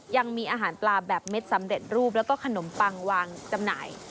ยังมีอาหารปลาแบบเม็ดสำเร็จรูปแล้วก็ขนมปังวางจำหน่าย